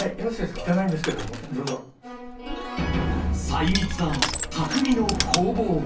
細密な匠の工房。